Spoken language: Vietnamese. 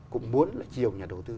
cũng muốn là chiều nhà đầu tư